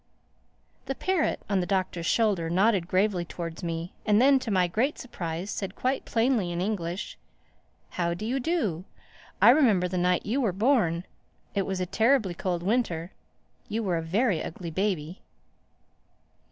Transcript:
The parrot, on the Doctor's shoulder, nodded gravely towards me and then, to my great surprise, said quite plainly in English, "How do you do? I remember the night you were born. It was a terribly cold winter. You were a very ugly baby."